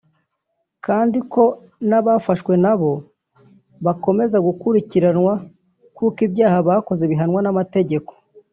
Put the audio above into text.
kandi ko n’abafashwe nabo bakomeza gukurikiranwa kuko ibyaha bakoze bihanwa n’amategeko